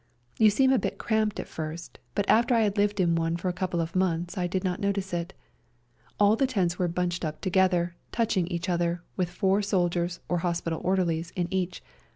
You seem a bit cramped at first, but after I had lived in one for a couple of months I did not notice it. All the tents were bunched up together, touching each other, with four soldiers, or hospital orderlies, in each.